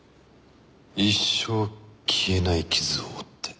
一生消えない傷を負って。